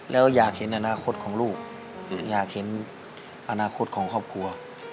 แล้วอยากเห็นอนาคตของลูกอยากเห็นอนาคตของครอบครัว